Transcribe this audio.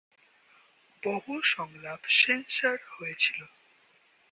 বহু সংলাপ সেন্সর হয়েছিল।